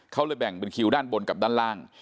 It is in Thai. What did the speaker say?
เขาเลยแบ่งเป็นคิวด้านบนกับด้านล่าง